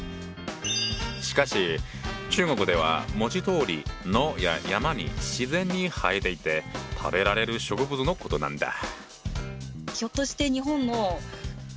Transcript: しかし中国では文字どおり野や山に自然に生えていて食べられる植物のことなんだ。